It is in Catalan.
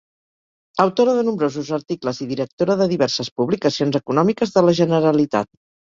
Autora de nombrosos articles i directora de diverses publicacions econòmiques de la Generalitat.